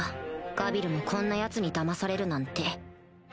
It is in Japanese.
ガビルもこんなヤツにだまされるなんて